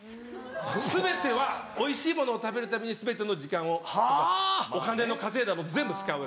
全てはおいしいものを食べるために全ての時間をとかお金の稼いだの全部使う。